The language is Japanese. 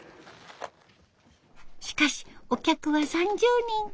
しかしお客は３０人。